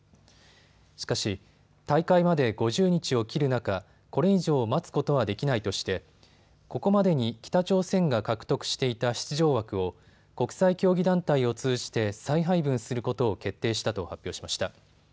しかし、大会まで５０日を切る中、これ以上、待つことはできないとしてここまでに北朝鮮が獲得していた出場枠を国際競技団体を通じて再配分することを決定したと発表しました。